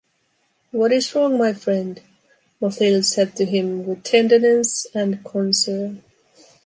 What is wrong my friend? Mathilde said to him with tenderness and concern.